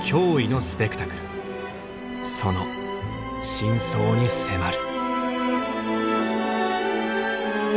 その真相に迫る。